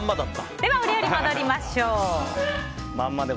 では、お料理に戻りましょう。